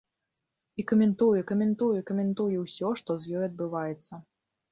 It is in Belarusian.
І каментуе, каментуе, каментуе ўсё, што з ёй адбываецца.